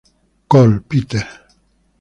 Cole, Peter.